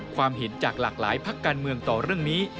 ความเห็นจากหลากหลายพักการเมืองต่อเรื่องนี้